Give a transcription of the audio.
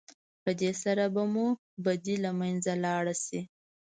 په دې سره به مو بدۍ له منځه لاړې شي.